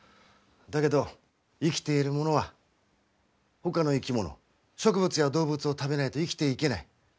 だけど生きているものはほかの生き物植物や動物を食べないと生きていけない。